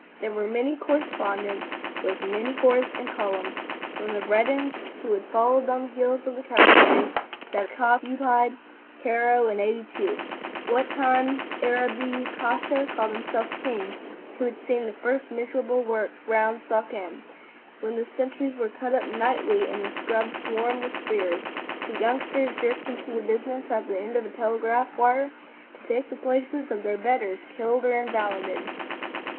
There were many correspondents with many corps and columns,—from the veterans who had followed on the heels of the cavalry that occupied Cairo in '82, what time Arabi Pasha called himself king, who had seen the first miserable work round Suakin when the sentries were cut up nightly and the scrub swarmed with spears, to youngsters jerked into the business at the end of a telegraph wire to take the places of their betters killed or invalided.